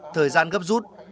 thời gian gấp rút